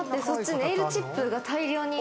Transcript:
ネイルチップが大量に。